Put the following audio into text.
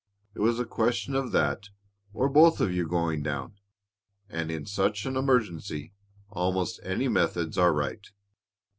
It was a question of that, or of both of you going down, and in such an emergency almost any methods are right.